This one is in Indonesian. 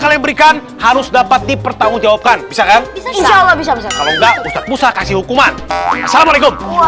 kalian berikan harus dapat dipertanggungjawabkan bisa bisa bisa bisa kasih hukuman assalamualaikum